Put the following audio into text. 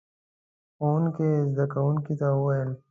ښوونکي زده کوونکو ته وويل: